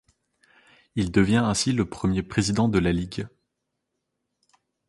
Il devient ainsi le premier président de la ligue.